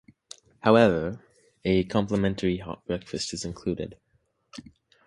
However, a complimentary hot breakfast is included.